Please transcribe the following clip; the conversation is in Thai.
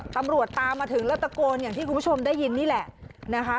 ตามมาถึงแล้วตะโกนอย่างที่คุณผู้ชมได้ยินนี่แหละนะคะ